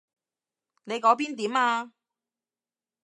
你嗰邊點啊？